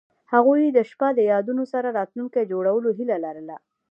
هغوی د شپه له یادونو سره راتلونکی جوړولو هیله لرله.